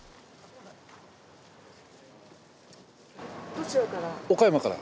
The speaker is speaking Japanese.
どちらから？